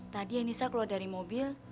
tadi anissa keluar dari mobil